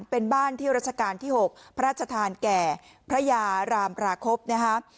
เป็นบ้านที่รัชกาลที่๖พระราชทานแก่พระยารามปราคบนะคะ